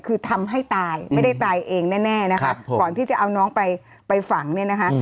คือทำให้ตายไม่ได้ตายเองแน่นะคะก่อนที่จะเอาน้องไปไปฝังเนี่ยนะคะ